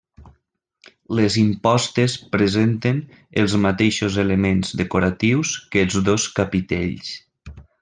Les impostes presenten els mateixos elements decoratius que els dos capitells.